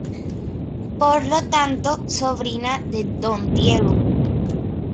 Por lo tanto, sobrina de don Diego.